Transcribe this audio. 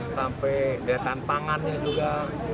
sampai ada tantangannya juga